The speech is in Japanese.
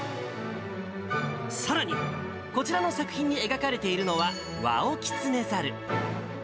さらに、こちらの作品に描かれているのは、ワオキツネザル。